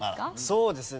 そうですね。